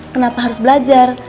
kenapa harus belajar